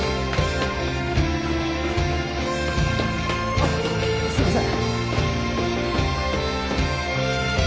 あッすいません